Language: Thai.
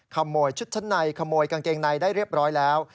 ขโมยชุดชั้นในขโมยกางเกงในได้เรียบร้อยแล้ว